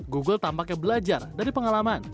google tampaknya belajar dari pengalaman